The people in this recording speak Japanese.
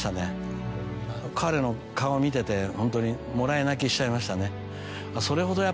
彼の顔を見ててホントにもらい泣きしちゃいましたね。